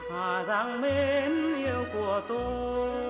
hà giang bên yêu của tôi